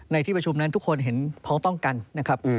ในที่ประชุมนั้นทุกคนเห็นพ้องต้องกันนะครับ